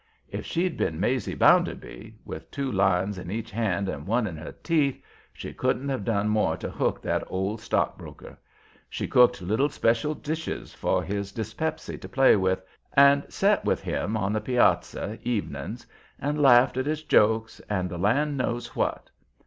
If she'd been Maizie Bounderby, with two lines in each hand and one in her teeth, she couldn't have done more to hook that old stock broker. She cooked little special dishes for his dyspepsy to play with, and set with him on the piazza evenings, and laughed at his jokes, and the land knows what.